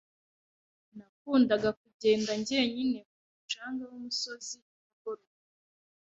Nakundaga kugenda njyenyine ku mucanga wumusozi nimugoroba.